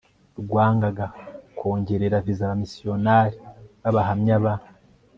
rwangaga kongerera viza abamisiyonari b abahamya ba